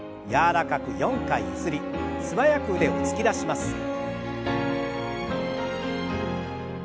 柔らかく４回ゆすり素早く腕を突き出します。